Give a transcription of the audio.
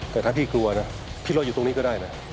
แต่ถ้าพี่กลัวนะพี่รออยู่ตรงนี้ก็ได้นะ